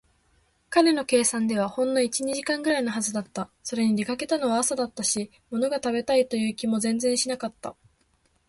彼の計算ではほんの一、二時間ぐらいのはずだった。それに、出かけたのは朝だったし、ものが食べたいという気も全然しなかった。